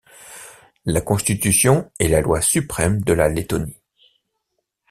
La Constitution est la loi suprême de la Lettonie.